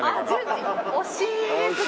惜しいですね。